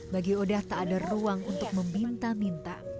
bagi odah tak ada ruang untuk meminta minta